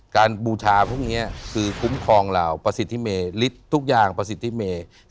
บูชาพวกนี้คือคุ้มครองเราประสิทธิเมฤทธิ์ทุกอย่างประสิทธิเม